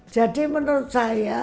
jadi menurut saya